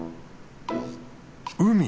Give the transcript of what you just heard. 海？